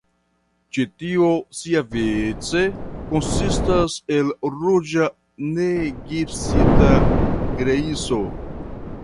Ĉi tio siavice konsistas el ruĝa negipsita grejso.